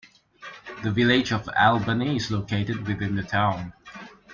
The Village of Albany is located within the town.